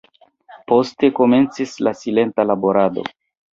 Poste komencis la silenta laborado.